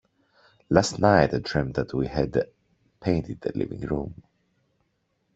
Last night I dreamt that we had painted the living room.